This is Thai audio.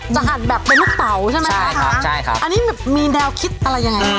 หัดแบบเป็นลูกเต๋าใช่ไหมคะใช่ครับใช่ครับอันนี้มีแนวคิดอะไรยังไง